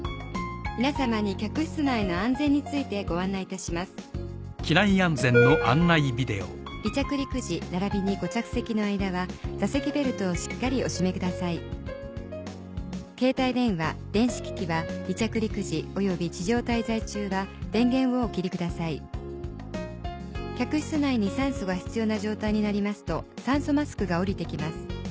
「皆さまに客室内の安全についてご案内いたします」「離着陸時ならびにご着席の間は座席ベルトをしっかりお締めください」「携帯電話電子機器は離着陸時および地上滞在中は電源をお切りください」「客室内に酸素が必要な状態になりますと酸素マスクが下りてきます」